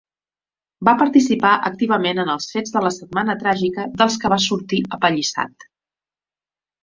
Va participar activament en els fets de la Setmana Tràgica dels que va sortir apallissat.